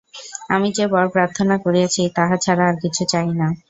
আমি যে-বর প্রার্থনা করিয়াছি, তাহা ছাড়া আর কিছু চাহি না।